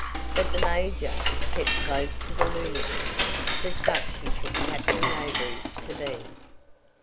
But the major kept close to the lunatic for such he took Captain Mayberry to be.